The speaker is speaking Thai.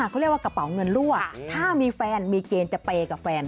เขาเรียกว่ากระเป๋าเงินรั่วถ้ามีแฟนมีเกณฑ์จะเปย์กับแฟน